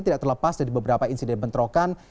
tidak terlepas dari beberapa insiden bentrokan